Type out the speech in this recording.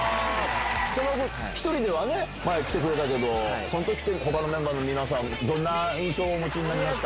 北村君、１人ではね、前来てくれたけど、メンバーの皆さん、どんな印象をお持ちになりました？